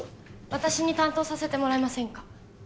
私に担当させてもらえませんか？